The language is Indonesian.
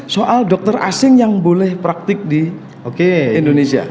soal dokter asing yang boleh praktik di indonesia